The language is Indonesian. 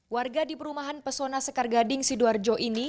warga di perumahan pesona sekar gading sidoarjo ini